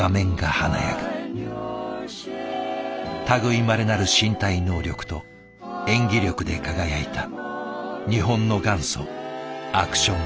類いまれなる身体能力と演技力で輝いた日本の元祖アクションスター。